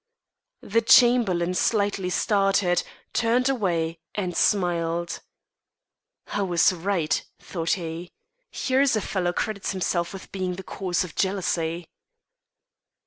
The Chamberlain slightly started, turned away, and smiled. "I was right," thought he. "Here's a fellow credits himself with being the cause of jealousy."